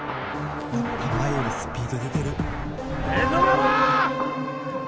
やっぱ前よりスピード出てる江戸川！